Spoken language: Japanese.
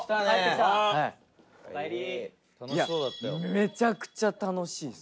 めちゃくちゃ楽しいです。